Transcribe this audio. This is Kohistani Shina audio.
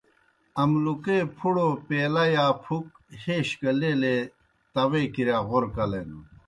املُکے پُھڑو پیلہ یا پُھک ہَیش گہ لیلے تاؤے کِرِیا غورہ کلینَن۔